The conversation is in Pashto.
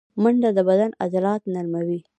منډه د بدن عضلات نرموي